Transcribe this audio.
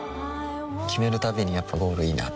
決めるたびにやっぱゴールいいなってふん